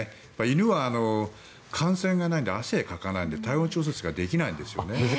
犬は汗腺がないので汗をかかないので体温調節ができないんですよね。